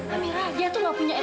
amirah dia tuh mau punya etika